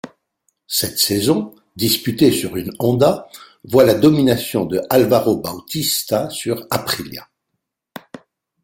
Cette saison, disputée sur une Honda, voit la domination de Álvaro Bautista sur Aprilia.